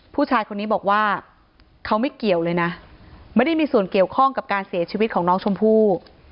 ผู้ชายคนนี้บอกว่าเขาไม่เกี่ยวเลยนะไม่ได้มีส่วนเกี่ยวข้องกับการเสียชีวิตของน้องชมพู่